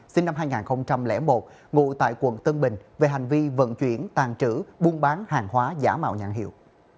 sinh năm hai nghìn một ngụ tại quận tân bình về hành vi vận chuyển tàn trữ buôn bán hàng hóa giả mạo nhãn hiệu